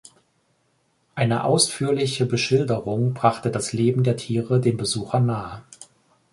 Eine ausführliche Beschilderung brachte das Leben der Tiere den Besuchern nahe.